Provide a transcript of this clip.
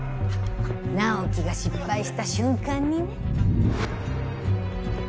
尚希が失敗した瞬間にね。